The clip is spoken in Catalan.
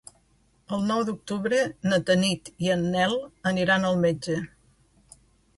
El nou d'octubre na Tanit i en Nel aniran al metge.